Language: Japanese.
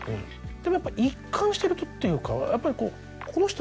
でもやっぱ一貫してるっていうかやっぱり。